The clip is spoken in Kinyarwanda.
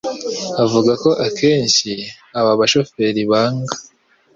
Avuga ko akenshi aba bashoferi banga